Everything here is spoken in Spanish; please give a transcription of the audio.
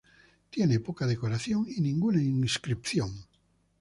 Tiene poca decoración y ninguna inscripción.